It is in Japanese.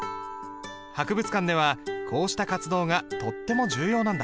博物館ではこうした活動がとっても重要なんだ。